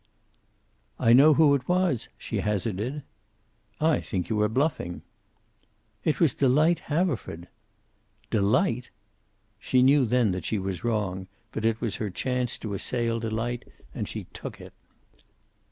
"I know who it was," she hazarded. "I think you are bluffing." "It was Delight Haverford." "Delight!" She knew then that she was wrong, but it was her chance to assail Delight and she took it.